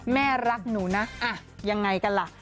แม่รักหนูนะยังไงกันล่ะ